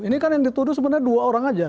ini kan yang dituduh sebenarnya dua orang saja